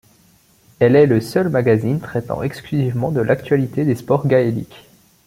Elle est le seul magazine traitant exclusivement de l’actualité des sports gaéliques.